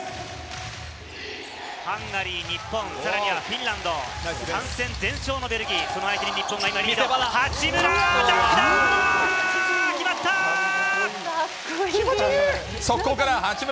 ハンガリー、日本、さらにはフィンランド、３戦全勝のベルギー、その相手に日本が今、八村！